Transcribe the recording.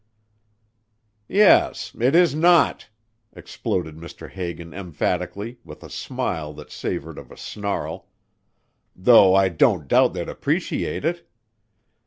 "Yes it is not," exploded Mr. Hagan emphatically with a smile that savored of a snarl, "though I don't doubt they'd appreciate it.